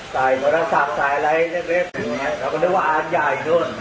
ใส่โทรศัพท์ใส่อะไรเราก็นึกว่าอันใหญ่โน้น